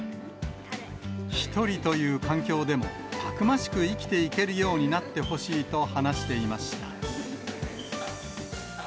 １人という環境でも、たくましく生きていけるようになってほしいと話していました。